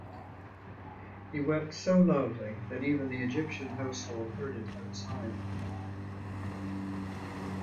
He wept so loudly that even the Egyptian household heard it outside.